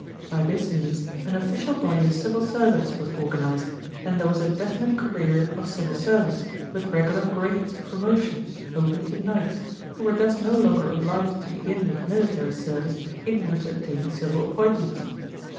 By this means an official body of civil servants was organised, and there was a definite career of civil service, with regular grades of promotion, open to knights, who were thus no longer obliged to begin with military service in order to obtain civil appointments.